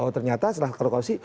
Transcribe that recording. ternyata setelah korupsi